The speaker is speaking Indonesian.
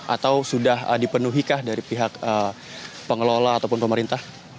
atau sudah dipenuhikah dari pihak pengelola ataupun pemerintah